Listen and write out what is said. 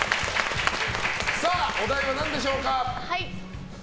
お題は何でしょうか？